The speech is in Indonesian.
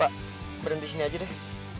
yuk berhenti sini aja deh